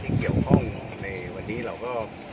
ถ้าไม่ได้ขออนุญาตมันคือจะมีโทษ